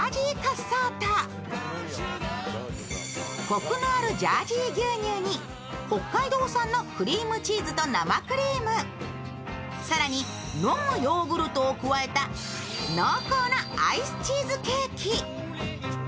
コクのあるジャージー牛乳に北海道産のクリームチーズと生クリーム、更に、飲むヨーグルトを加えた濃厚なアイスチーズケーキ。